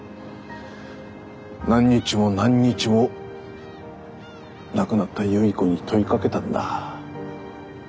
何日も何日も亡くなった有依子に問いかけたんだ。